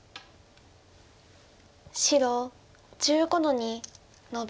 白１５の二ノビ。